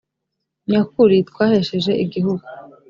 nyakuri twahesheje igihugu